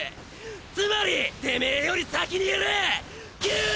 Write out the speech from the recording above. つまりてめより先にいる！